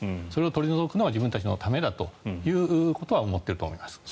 それを取り除くのは自分たちのためだとは思っていると思います。